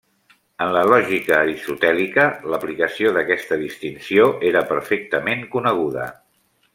En la lògica aristotèlica, l'aplicació d'aquesta distinció era perfectament coneguda.